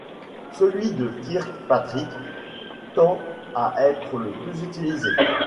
Celui de Kirkpatrick tend à être le plus utilisé.